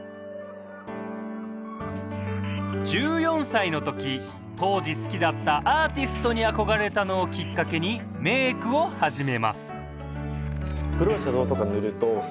１４歳のとき当時好きだったアーティストにあこがれたのをきっかけにメイクを始めます